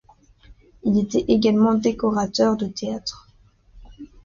Il était également décorateur de théâtre.